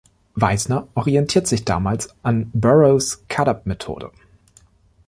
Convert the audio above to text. Weissner orientierte sich damals an Burroughs Cut-up-Methode.